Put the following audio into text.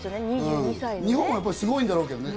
日本もすごいんだろうけどね。